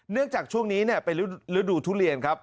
เนื่องจากช่วงนี้เนี่ยเป็นฤดูทุเรียนครับ